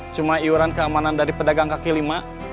cuma iuran keamanan dari pedagang kaki lima